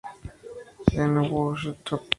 En "Who's the Top?